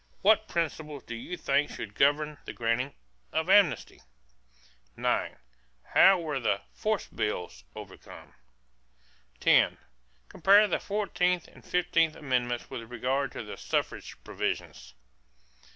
What principles do you think should govern the granting of amnesty? 9. How were the "Force bills" overcome? 10. Compare the fourteenth and fifteenth amendments with regard to the suffrage provisions.